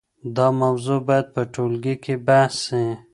دا موضوع باید په ټولګي کي بحث سي.